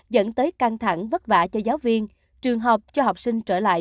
dẫn tới căng thẳng vất vả cho giáo viên trường học cho học sinh trở lại